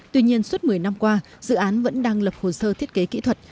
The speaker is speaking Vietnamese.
tuy nhiên suốt một mươi năm qua dự án vẫn đang lập hồ sơ thiết kế kỹ thuật